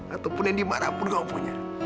ataupun yang dimanapun kau punya